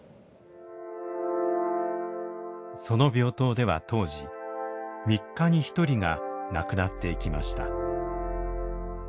その病棟では当時３日に１人が亡くなっていきました。